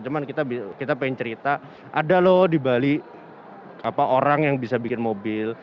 cuma kita pengen cerita ada loh di bali orang yang bisa bikin mobil